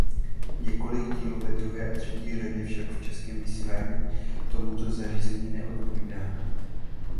Několik dílů ve druhé a třetí řadě však v českém vysílání tomuto řazení neodpovídá.